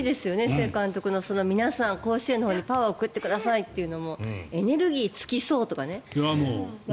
須江監督の皆さん甲子園のほうにパワーを送ってくださいというのもエネルギー尽きそうとかね。